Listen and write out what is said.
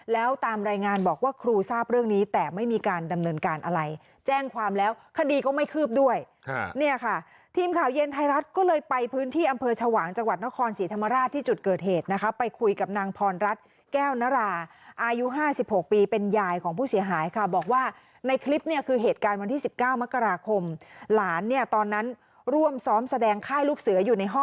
แล้วตามรายงานบอกว่าครูทราบเรื่องนี้แต่ไม่มีการดำเนินการอะไรแจ้งความแล้วคดีก็ไม่คืบด้วยค่ะเนี่ยค่ะทีมข่าวเย็นไทยรัฐก็เลยไปพื้นที่อำเภอชวางจังหวัดนครศรีธรรมราชที่จุดเกิดเหตุนะคะไปคุยกับนางพรรดิแก้วนาราอายุห้าสิบหกปีเป็นยายของผู้เสียหายค่ะบอกว่าในคลิปเนี่ยคือเห